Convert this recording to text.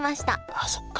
あそっか！